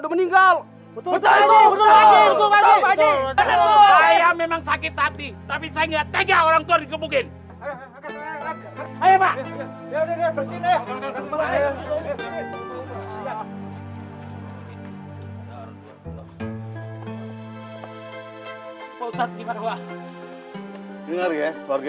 dengar ya keluarga ya